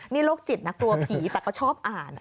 นี่โรคจิตนะกลัวผีแต่ก็ชอบอ่าน